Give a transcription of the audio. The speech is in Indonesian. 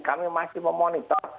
kami masih memonitor